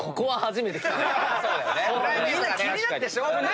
みんな気になってしょうがない。